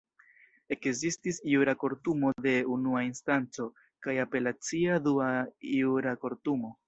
Ekzistis jura kortumo de unua instanco, kaj apelacia dua jura kortumo.